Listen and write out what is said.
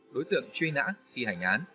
đối tượng truy nã khi hành án